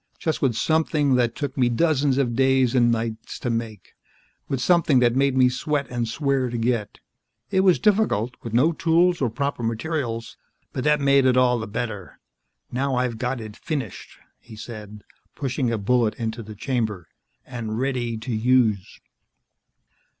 Just with something that took me dozens of days and nights to make. With something that made me sweat and swear to get. It was difficult with no tools or proper materials but that made it all the better. Now I've got it finished," he said, pushing a bullet into the chamber, "and ready to use."